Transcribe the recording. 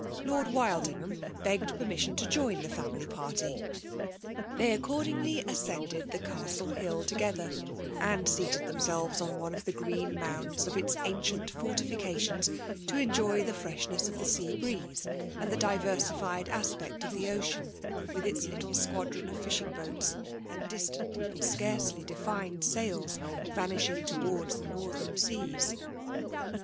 Lord Wild ingham begged permission to join the family party. They accordingly ascended the Castle hill together ; and seated themselyes on one of the green mounds of its ancient fortifica^ tions, to enjoy the freshness of the sea breeze, and the diversified aspect of the ocean with its little squadron of fishing boats, and distant and scarcely defined sails, vanishing towards the Northern Seas.